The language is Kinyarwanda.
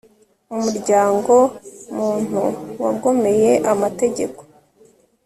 Umuryango muntu wagomeye amategeko